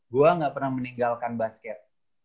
gue gak pernah meninggalkan basket